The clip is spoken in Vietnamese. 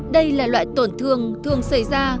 đây là loại tổn thương thường xảy ra